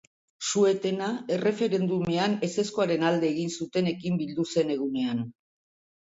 Su-etena erreferendumean ezezkoaren alde egin zutenekin bildu zen egunean.